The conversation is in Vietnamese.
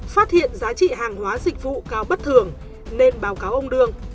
phát hiện giá trị hàng hóa dịch vụ cao bất thường nên báo cáo ông đương